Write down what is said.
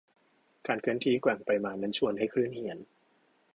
การเคลื่อนที่แกว่งไปมานั้นชวนให้คลื่นเหียน